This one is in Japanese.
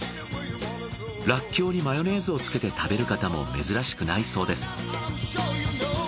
らっきょうにマヨネーズをつけて食べる方も珍しくないそうです。